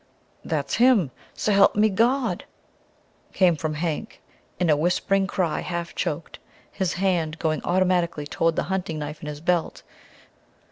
"That's him, s'help me the good Gawd!" came from Hank in a whispering cry half choked, his hand going automatically toward the hunting knife in his belt.